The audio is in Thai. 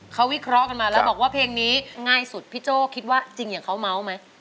เขาวิเคราะห์กันมาแล้วบอกว่าเพลงนี้ง่ายสุดพี่โจ้คิดว่าจริงอย่างเขาเมาส์ไหม